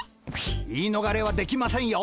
言い逃れはできませんよ。